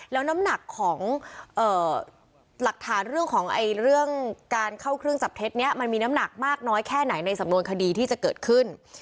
แล้วน้ำหนักของหลักฐานเรื่องของเรื่องการเข้าเครื่องจับเท็จนี้มันมีน้ำหนักมากน้อยแค่ไหนในสำนวนคดีที่จะเกิดขึ้น